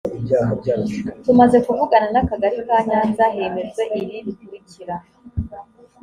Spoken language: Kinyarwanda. tumaze kuvugana n akagali ka nyanza hemejwe ibi bikurikira